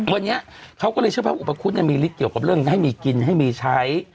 วันนี้เขาก็เลยเชื่อว่าอุปคุฎมีฤทธิเกี่ยวกับเรื่องให้มีกินให้มีใช้